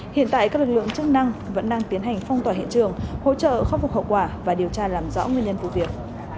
hiện tại các lực lượng chức năng vẫn đang tiến hành phong tỏa hiện trường hỗ trợ khắc phục hậu quả và điều tra làm rõ nguyên nhân vụ việc